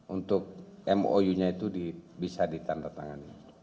untuk mou nya itu bisa ditandatangani